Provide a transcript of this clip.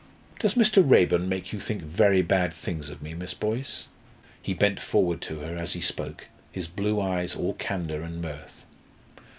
Does Mr. Raeburn make you think very bad things of me, Miss Boyce?" He bent forward to her as he spoke, his blue eyes all candour and mirth.